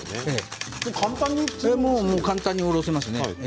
簡単におろせますね。